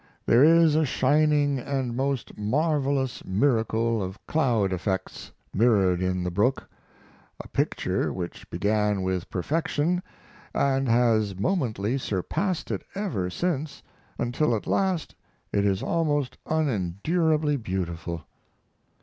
There is a shining and most marvelous miracle of cloud effects mirrored in the brook; a picture which began with perfection, and has momently surpassed it ever since, until at last it is almost unendurably beautiful....